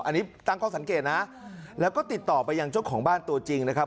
อันนี้ตั้งข้อสังเกตนะแล้วก็ติดต่อไปยังเจ้าของบ้านตัวจริงนะครับ